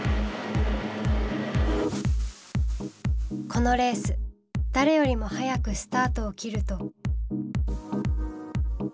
このレース誰よりも速くスタートを切ると。